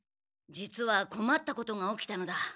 実はこまったことが起きたのだ。